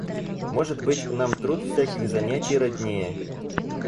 Может быть, нам труд всяких занятий роднее.